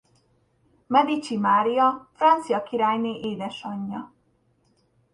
Medici Mária francia királyné édesanyja.